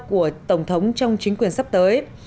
của tổng thống trong chính quyền sắp tới